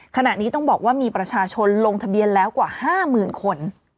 ขณะนี้ต้องบอกว่ามีประชาชนลงทะเบียนแล้วกว่า๕๐๐๐คน